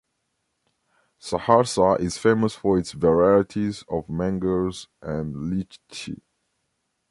Saharsa is famous for its varieties of mangoes and litchis.